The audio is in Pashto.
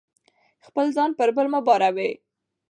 خپل ځان پر بل مه باروئ.